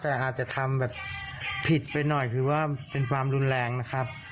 อาจจะทำผิดไปหน่อยคือเป็นความรุนแรงนะครับ